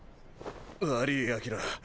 悪ぃアキラ